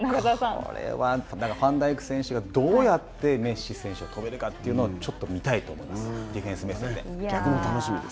これはファンダイク選手がどうやってメッシ選手を止めるかというのをちょっと見たいと思います、ディフェンス目線で。